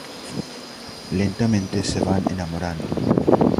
Lentamente se van enamorando.